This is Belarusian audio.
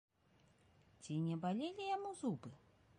Ці не балелі яму зубы?